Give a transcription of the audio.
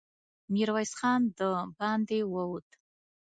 ميرويس خان د باندې ووت.